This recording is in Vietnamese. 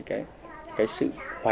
bên bếp củi hôm nay